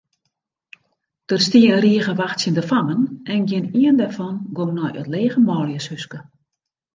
Der stie in rige wachtsjende fammen en gjinien dêrfan gong nei it lege manljushúske.